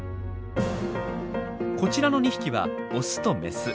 こちらの２匹はオスとメス。